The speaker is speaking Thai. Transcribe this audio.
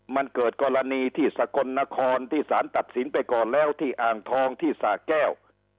มันเกิดกรณีที่สกลนครที่สารตัดสินไปก่อนแล้วที่อ่างทองที่สาแก้ว